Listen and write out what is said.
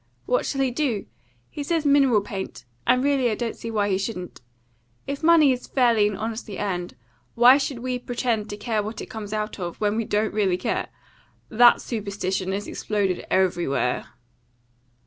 What shall he do? He says mineral paint, and really I don't see why he shouldn't. If money is fairly and honestly earned, why should we pretend to care what it comes out of, when we don't really care? That superstition is exploded everywhere."